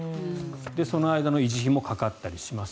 その間の維持費もかかったりします。